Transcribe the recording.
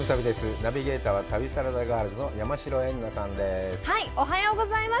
ナビゲーターは、旅サラダガールズの山代エンナさんです。